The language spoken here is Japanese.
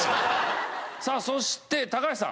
さあそして高橋さん。